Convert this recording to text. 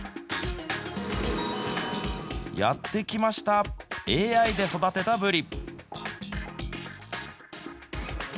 やって来ました、ＡＩで育てたブリ。